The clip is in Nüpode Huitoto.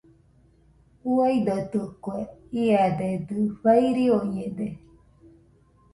Uaidotɨkue, iadedɨ fairioñede.